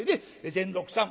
善六さん